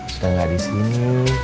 sudah gak disini